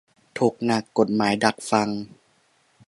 ถกหนัก กฎหมายดักฟัง